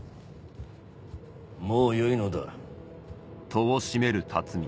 もうよいのだ。